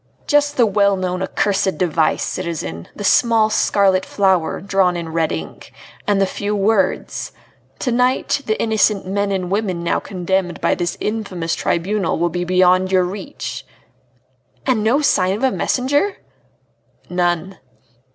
"Just the well known accursed device, citizen, the small scarlet flower, drawn in red ink, and the few words: 'To night the innocent men and women now condemned by this infamous tribunal will be beyond your reach!'" "And no sign of a messenger?" "None."